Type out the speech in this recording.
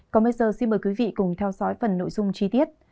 còn bây giờ xin mời quý vị cùng theo dõi phần nội dung chi tiết